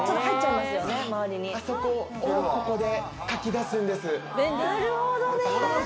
あそこをここでかき出すんです。